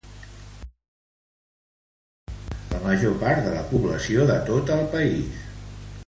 Alberga així mateix la major part de la població de tot el país.